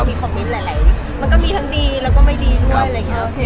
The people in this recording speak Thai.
มีคอมเมนต์หลายมันก็มีทั้งดีแล้วก็ไม่ดีด้วยอะไรอย่างนี้